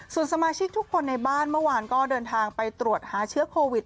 ส่วนสมาชิกทุกคนในบ้านเมื่อวานก็เดินทางไปตรวจหาเชื้อโควิด